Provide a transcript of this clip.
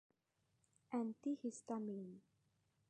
แอนตี้ฮิสตามีน